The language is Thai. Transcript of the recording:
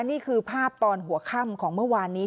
นี่คือภาพตอนหัวค่ำของเมื่อวานนี้